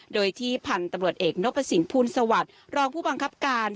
โดยที่พันธุ์ตำรวจเอกนพสินภูลสวัสดิ์รองผู้บังคับการ